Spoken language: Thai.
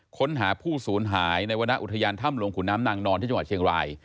ค้นหาผู้สูญหายในวรรณอุทยานถ้ำหลวงขุนน้ำนางนอนที่จังหวัดเชียงราย